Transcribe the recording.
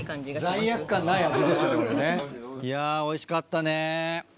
いやおいしかったね。